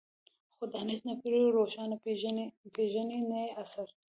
خو دانش نه پير روښان پېژني نه يې عصر.